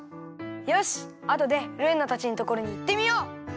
よしあとでルーナたちのところにいってみよう！